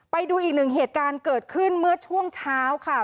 ไปดูอีกหนึ่งเหตุการณ์เกิดขึ้นเมื่อช่วงเช้าค่ะ